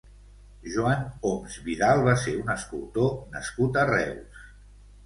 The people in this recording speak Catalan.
Joan Homs Vidal va ser un escultor nascut a Reus.